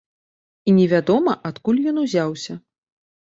І невядома, адкуль ён узяўся.